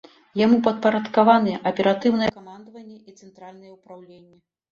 Яму падпарадкаваныя аператыўнае камандаванне і цэнтральнае ўпраўленне.